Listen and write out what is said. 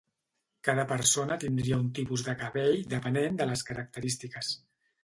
Cada persona tindria un tipus de cabell depenent de les característiques.